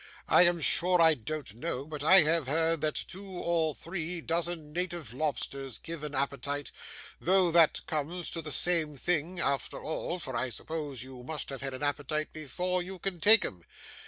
I am sure I don't know, but I have heard that two or three dozen native lobsters give an appetite, though that comes to the same thing after all, for I suppose you must have an appetite before you can take 'em.